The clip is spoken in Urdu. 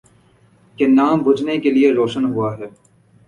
کہ نہ بجھنے کے لیے روشن ہوا ہے۔